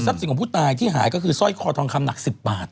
สินของผู้ตายที่หายก็คือสร้อยคอทองคำหนัก๑๐บาท